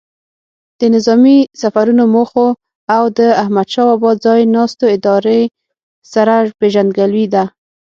د نظامي سفرونو موخو او د احمدشاه بابا ځای ناستو ادارې سره پیژندګلوي ده.